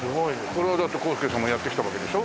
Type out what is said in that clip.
それはだって公介さんもやってきたわけでしょ？